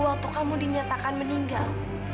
waktu kamu dinyatakan meninggal